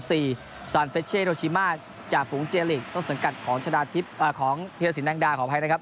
ซานเฟชเชโรชิมาจากฝุงเจลิกต้นสังกัดของเทียดสินดังดาของภัยนะครับ